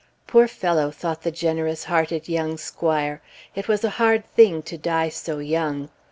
"Poor fellow!" thought the generous hearted young squire; "it was a hard thing to die so young.